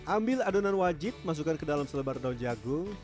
ambil adonan wajib masukkan ke dalam selebar daun jagung